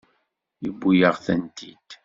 Yewwi-yaɣ-tent-id.